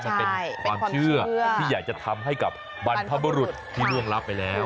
มันเป็นความเชื่อที่อยากจะทำให้กับบรรพบุรุษที่ล่วงรับไปแล้ว